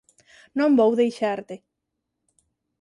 Non vou deixarte.